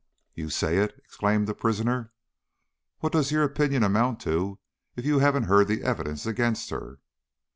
"You say it!" exclaimed the prisoner. "What does your opinion amount to if you haven't heard the evidence against her?"